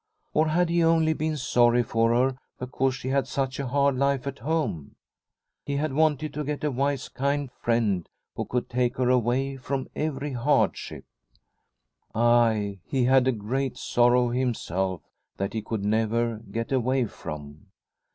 Or had he only been sorry for her because she had such a hard life at home ? He had wanted to get a wise kind friend who could take her away from every hardship. Ay, he had a great sorrow himself that he could never get away from